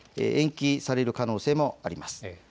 延期される可能性もあります。